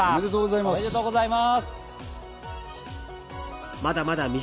おめでとうございます！